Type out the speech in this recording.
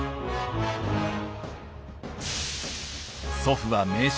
祖父は名将